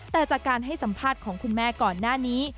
แต่จากการให้สัมภาษณ์ของคุณแม่ก่อนหน้านี้